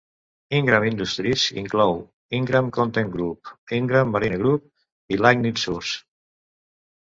Ingram Industries inclou Ingram Content Group, Ingram Marine Group i Lightning Source.